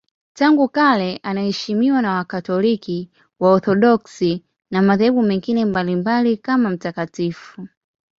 Tangu kale anaheshimiwa na Wakatoliki, Waorthodoksi na madhehebu mengine mbalimbali kama mtakatifu.